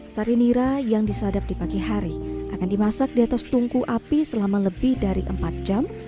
sari nira yang disadap di pagi hari akan dimasak di atas tungku api selama lebih dari empat jam